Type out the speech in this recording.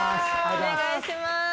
お願いします。